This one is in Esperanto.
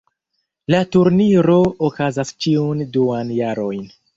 La turniro okazas ĉiun duan jarojn.